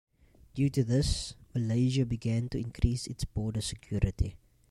Due to this, Malaysia began to increase its border security.